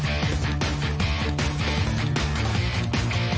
ไปเดินเข้าไปเดินเข้าไป